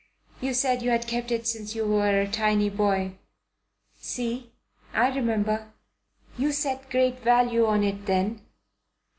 You said you had kept it since you were a tiny boy. See? I remember. You set great value on it then?"